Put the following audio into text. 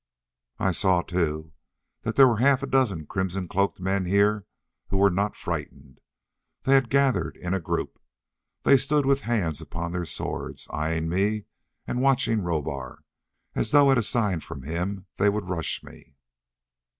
I saw too, that there were half a dozen crimson cloaked men here who were not frightened. They had gathered in a group. They stood with hands upon their swords, eyeing me, and watching Rohbar as though at a sign from him they would rush me.